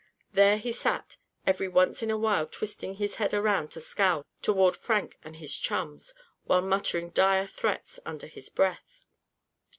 There he sat, every once in a while twisting his head around to scowl toward Frank and his chums, while muttering dire threats under his breath.